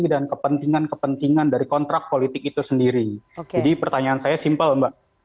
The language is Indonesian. dan kepentingan kepentingan dari kontrak politik itu sendiri jadi pertanyaan saya simpel mbak